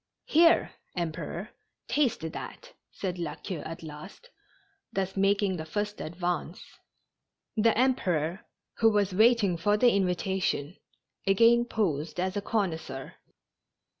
" Here, Emperor, taste that," said La Queue at last, thus making the first advance. The Emperor, who was waiting for the invitation, again posed as a connoisseur.